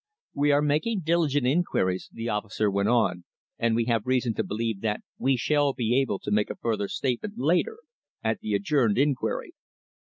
"We are making diligent inquiries," the officer went on, "and we have reason to believe that we shall be able to make a further statement later at the adjourned inquiry."